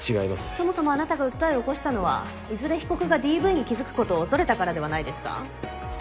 そもそもあなたが訴えを起こしたのはいずれ被告がＤＶに気づくことを恐れたからではないですか？